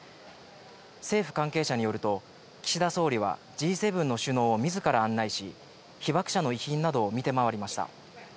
政府関係者によると、岸田総理はＧ７首脳をみずから案内し、被爆者の遺品などを見て回りました。